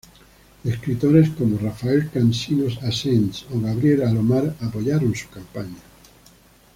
Escritores como Rafael Cansinos Assens o Gabriel Alomar apoyaron su campaña.